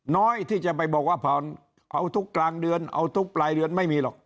น้อยที่จะไปบอกว่าผ่อนเอาทุกกลางเดือนเอาทุกปลายเดือนไม่มีหรอก